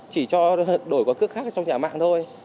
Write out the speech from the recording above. chỉ cho đổi qua cước khác trong nhà mạng thôi